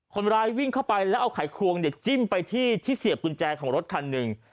คนร้ายวิ่งเข้าไปแล้วเอาไขควงจิ้มไปที่ที่เสียบกุญแจของรถคันหนึ่ง